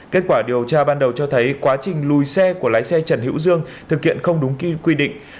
kết quả điều tra ban đầu cho thấy quá trình lùi xe của lái xe trần hữu dương thực hiện không đúng quy định